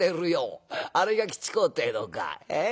あれが吉公ってえのかええ